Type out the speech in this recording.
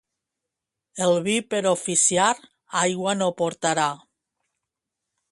El vi per oficiar aigua no portarà.